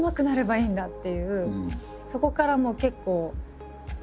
そこからもう結構。